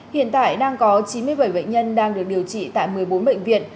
hiện tại chín mươi bảy bệnh nhân đang được điều trị tại một mươi bốn bệnh viện